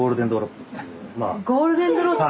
ゴールデンドロップ？